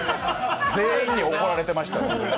全員に怒られてました。